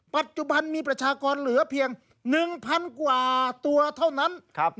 ปัจจุบันมีประชากรเหลือเพียง๑๐๐๐กว่าตัวเท่านั้น